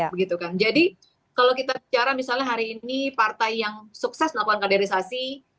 begitu kan jadi kalau kita bicara misalnya hari ini partai yang sukses melakukan kaderisasi